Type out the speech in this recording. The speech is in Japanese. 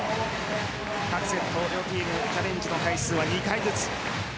各セット、両チームチャレンジの回数は２回ずつ。